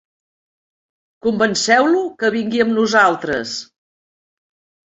Convenceu-lo que vingui amb nosaltres.